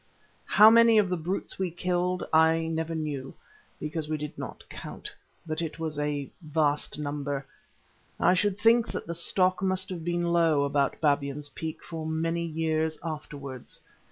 How many of the brutes we killed I never knew, because we did not count, but it was a vast number. I should think that the stock must have been low about Babyan's Peak for many years afterwards.